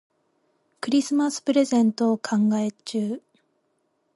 クリスマスプレゼントを考え中。